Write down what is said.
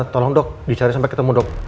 tolong dok dicari sampai ketemu dok